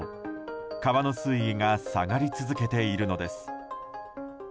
川の水位が下がり続けているのです。